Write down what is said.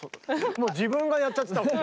もう自分がやっちゃってたもん。